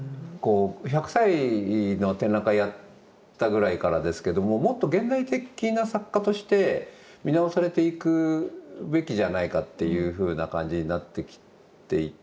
１００歳の展覧会やったぐらいからですけどももっと現代的な作家として見直されていくべきじゃないかっていうふうな感じになってきていて。